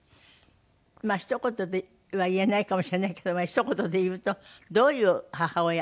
まあひと言では言えないかもしれないけどひと言で言うとどういう母親？